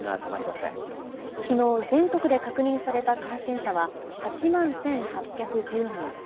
きのう、全国で確認された感染者は８万１８１０人。